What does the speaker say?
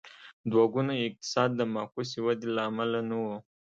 دوه ګونی اقتصاد د معکوسې ودې له امله نه و.